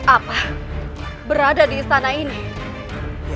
apa berada di istana ini